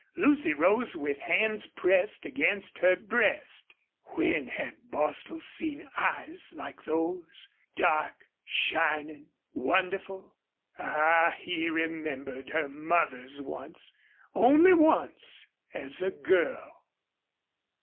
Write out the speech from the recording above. Lucy rose with hands pressed against her breast. When had Bostil seen eyes like those dark, shining, wonderful? Ah! he remembered her mother's once only once, as a girl.